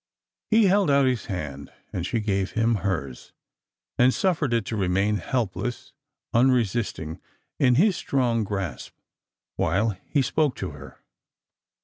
He held out his hand, and she gave him hers, and suffered it to remain helpless, unresisting, in his strong grasp, while he spoke to her.